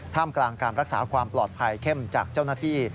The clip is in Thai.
มกลางการรักษาความปลอดภัยเข้มจากเจ้าหน้าที่